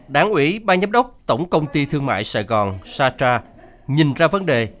đảng ủy ban giám đốc tổng công ty thương mại sài gòn sacha nhìn ra vấn đề